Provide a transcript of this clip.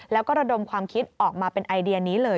แล้วก็ระดมความคิดออกมาเป็นไอเดียนี้เลย